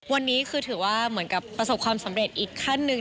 วันนี้คือถือว่าเหมือนกับประสบความสำเร็จอีกขั้นหนึ่ง